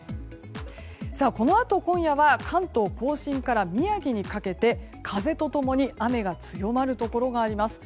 このあと今夜は関東・甲信から宮城にかけて風と共に雨が強まるところがあります。